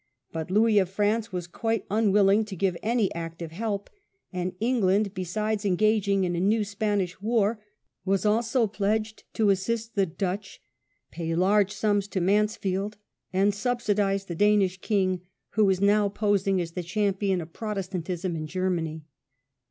But Louis of France was quite unwilling to give any active help, and Parliament England, besides engaging in the new Spanish o*" *^5. war, was also pledged to assist the Dutch, pay large sums to Mansfield, and subsidize the Danish king, who was now posmg as the champion of Protestantism in Germany.